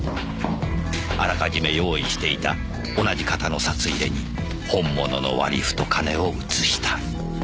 あらかじめ用意していた同じ型の札入れに本物の割り符と金を移した。